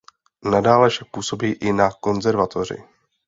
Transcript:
Nadále však působí i na konzervatoři.